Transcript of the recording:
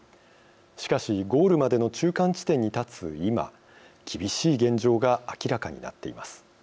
しかし、ゴールまでの中間地点に立つ今厳しい現状が明らかになっています。